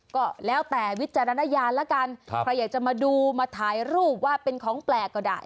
ก็แล้วแต่วิจารณญาณแล้วกันใครอยากจะมาดูมาถ่ายรูปว่าเป็นของแปลกก็ได้